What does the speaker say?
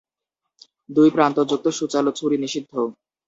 দুই প্রান্তযুক্ত সূচালো ছুরি নিষিদ্ধ।